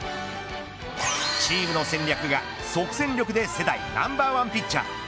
チームの戦略が即戦力で世代ナンバーワンピッチャー。